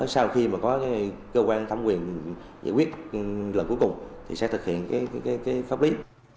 sau khi mà có cơ quan thẩm quyền giải quyết lần cuối cùng thì sẽ thực hiện pháp lý